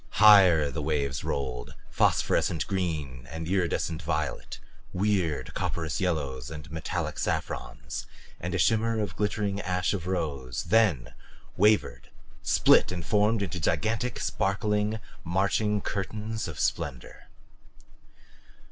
Higher the waves rolled phosphorescent green and iridescent violet, weird copperous yellows and metallic saffrons and a shimmer of glittering ash of rose then wavered, split and formed into gigantic, sparkling, marching curtains of splendor.